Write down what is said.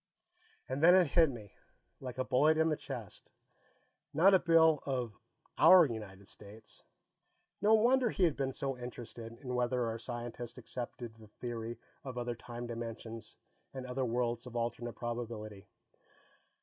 And then it hit me, like a bullet in the chest. Not a bill of our United States. No wonder he had been so interested in whether our scientists accepted the theory of other time dimensions and other worlds of alternate probability!